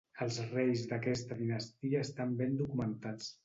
Els reis d'aquesta dinastia estan ben documentats.